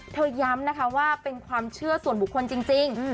ย้ำนะคะว่าเป็นความเชื่อส่วนบุคคลจริง